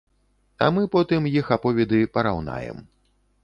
А мы потым іх аповеды параўнаем.